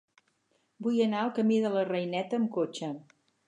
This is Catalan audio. Vull anar al camí de la Reineta amb cotxe.